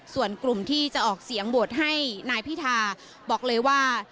ส่วนกลุ่มที่จะออกเสียงโหวตให้นายพิธาบอกเลยว่า